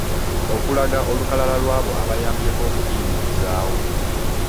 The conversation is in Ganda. Okulaga olukala lw’abo abayambyeko okugiyimirizaawo.